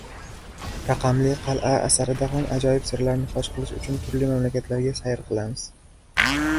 “Raqamli qalʼa” asarida ham ajoyib sirlarni fosh qilish uchun turli mamlakatlarga sayr qilamiz.